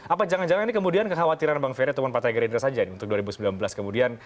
apa jangan jangan ini kemudian kekhawatiran bang ferry atau wan patai gerindra saja untuk dua ribu sembilan belas kemudian